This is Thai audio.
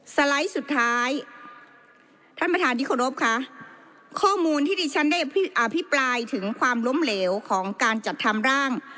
สไลด์สุดท้ายท่านประธานที่เคารพค่ะข้อมูลที่ดิฉันได้อภิปรายถึงความล้มเหลวของการจัดทำร่าง